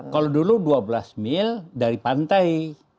kalau dulu dua belas mil dari pantai